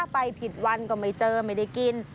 ไปผิดวันก็ไม่เจอไม่ได้กิน